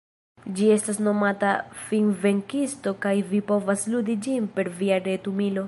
Ĝi estas nomata Finvenkisto kaj vi povas ludi ĝin per via retumilo.